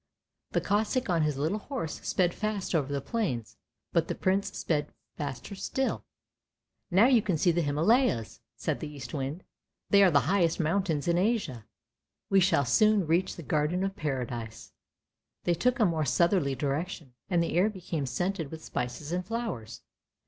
The Kossack on his little horse sped fast over the plains, but the Prince sped faster still. "Now you can see the Himalayas!" said the Eastwind. " They are the highest mountains in Asia; we shall soon reach the Garden of Paradise." They took a more southerly direction, and the air became scented with spices and flowers.